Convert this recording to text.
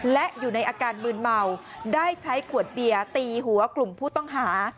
และอยู่ในอาการมืนเมาได้ใช้ขวดเบียร์ตีหัวกลุ่มผู้ต้องหา